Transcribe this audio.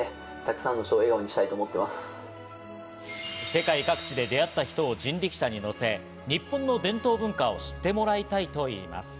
世界各地で出会った人を人力車に乗せ、日本の伝統文化を知ってもらいたいと言います。